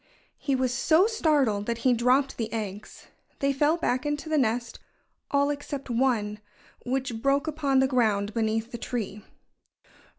He was so startled that he dropped the eggs. They fell back into the nest all except one, which broke upon the ground beneath the tree.